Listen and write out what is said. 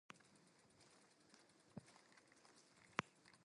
The two women shook hands.